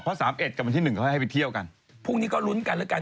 เพราะ๓๑กับวันที่๑ก็ให้ไปเที่ยวกัน